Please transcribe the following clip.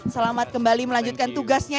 selamat kembali melanjutkan tugasnya